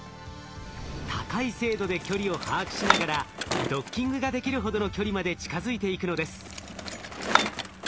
高い精度で距離を把握しながらドッキングができるほどの距離まで近づいていくのです。